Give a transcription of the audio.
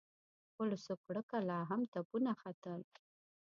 خو له سوکړکه لا هم تپونه ختل.